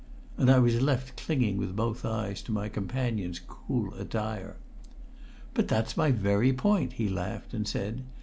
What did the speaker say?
And I was left clinging with both eyes to my companion's cool attire. "But that's my very point," he laughed and said.